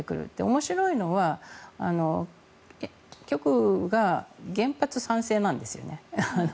面白いのは極右が原発賛成なんですね。